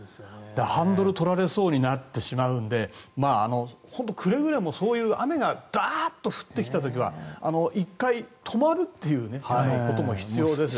ハンドルを取られそうになってしまうので本当にくれぐれも雨がダーッと降ってきた時は１回、止まるっていうことも必要です。